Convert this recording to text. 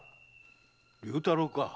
竜太郎か。